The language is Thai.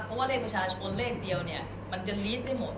เพราะว่าเลขประชาชนเลขเดียวเนี่ยมันจะลีดได้หมด